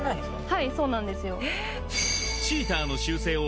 はいそうなんですよ